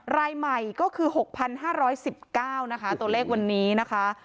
รายใหม่ก็คือ๖๕๑๙นะคะตัวเลขวันนี้นะคะ